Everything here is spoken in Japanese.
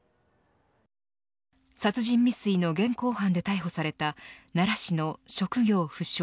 殺人未遂の現行犯で逮捕された奈良市の職業不詳